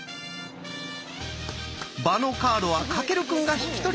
場のカードは翔くんが引き取ります。